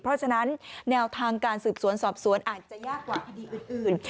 เพราะฉะนั้นแนวทางการสืบสวนสอบสวนอาจจะยากกว่าคดีอื่น